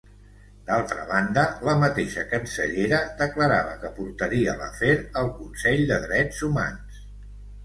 D'altra banda, la mateixa cancellera declarava que portaria l'afer al Consell de Drets Humans.